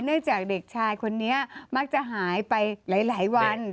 จากเด็กชายคนนี้มักจะหายไปหลายวัน